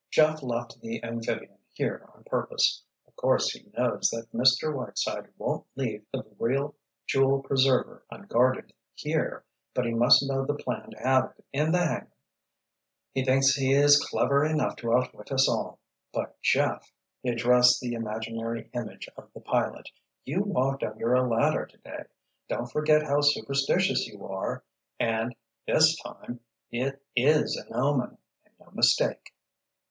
"Jeff left the amphibian here on purpose. Of course he knows that Mr. Whiteside won't leave the real jewel 'preserver' unguarded here, but he must know the plan to have it in the hangar. He thinks he is clever enough to outwit us all—but Jeff," he addressed the imaginary image of the pilot, "you walked under a ladder, today. Don't forget how superstitious you are. And—this time—it is an omen, and no mistake."